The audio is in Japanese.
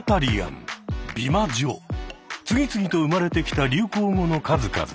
次々と生まれてきた流行語の数々。